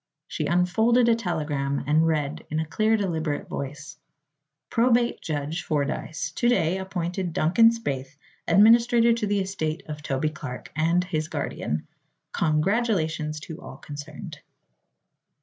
She unfolded a telegram and read in a clear, deliberate voice: "'Probate Judge Fordyce to day appointed Duncan Spaythe administrator of the estate of Toby Clark, and his guardian. Congratulations to all concerned.